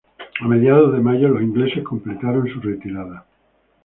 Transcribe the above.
A mediados de mayo, los ingleses completaron su retirada.